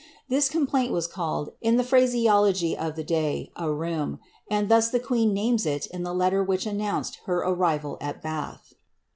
This complaint was called, in the phraseology of the day, a rheum, and thus the queen names it in the letter which announced her arrival at Bath.